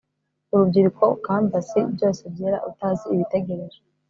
urubyiruko canvas byose byera, utazi ibitegereje